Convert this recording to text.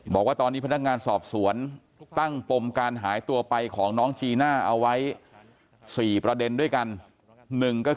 บอกว่าตอนนี้พนักงานสอบสวนตั้งปมการหายตัวไปของน้องจีน่าเอาไว้๔ประเด็นด้วยกัน